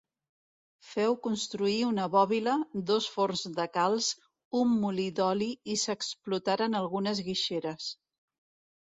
Féu construir una bòbila, dos forns de calç, un molí d'oli i s'explotaren algunes guixeres.